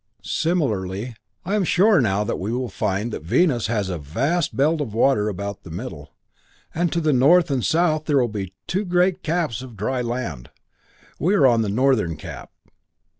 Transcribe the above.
Similarly, I am sure now that we will find that Venus has a vast belt of water about the middle, and to the north and south there will be two great caps of dry land. We are on the northern cap.